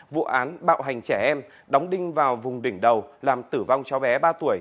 vụ án bạo hành trẻ em đóng đinh vào vùng đỉnh đầu làm tử vong cho bé ba tuổi